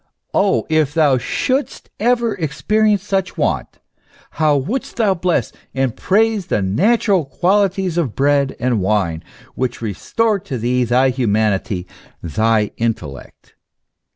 Oh ! if thou shouldst ever experience such want, how wouldst thou bless and praise the natural qualities of bread and wine, which restore to thee thy humanity, thy intellect